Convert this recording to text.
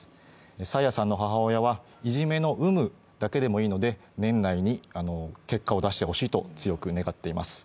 爽彩さんの母親は、いじめの有無だけでもいいので年内に結果を出してほしいと強く願っています。